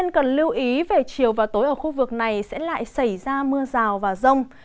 trong chiều và tối ở khu vực này sẽ lại xảy ra mưa rào và rông